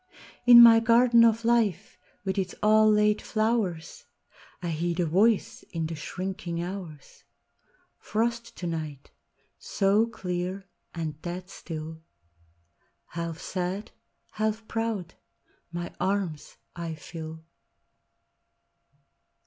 .... .In my garden of Life with its all late flowersI heed a Voice in the shrinking hours:"Frost to night—so clear and dead still" …Half sad, half proud, my arms I fill.